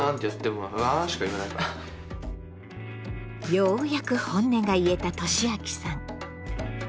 ようやく本音が言えたとしあきさん。